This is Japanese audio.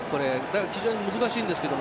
非常に難しいんですけど。